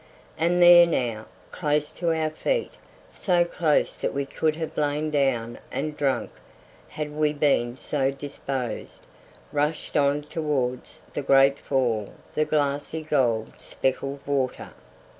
And there now, close to our feet, so close that we could have lain down and drunk had we been so disposed, rushed on towards the great fall the glassy gold speckled water.